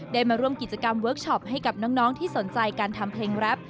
มาร่วมกิจกรรมเวิร์คชอปให้กับน้องที่สนใจการทำเพลงแรป